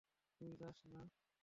তুই যাস না।